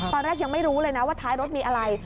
ตอนแรกยังไม่รู้เลยนะว่าท้ายรถมีอะไร